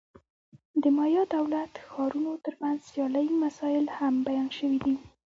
د مایا دولت-ښارونو ترمنځ سیالۍ مسایل هم بیان شوي دي.